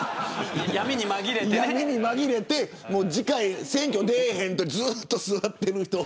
闇に紛れて次回の選挙出えへんってずっと座ってる人。